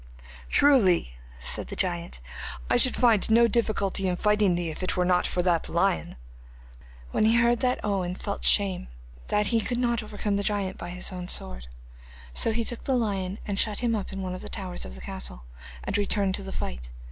'Truly,' said the giant, 'I should find no difficulty in fighting thee, if it were not for that lion.' When he heard that Owen felt shame that he could not overcome the giant with his own sword, so he took the lion and shut him up in one of the towers of the castle, and returned to the fight.